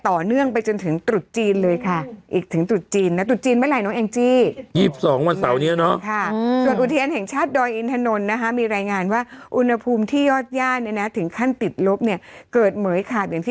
ต่อเนื่องไปจนถึงตุ